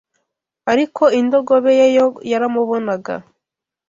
ariko indogobe ye yo yaramubonaga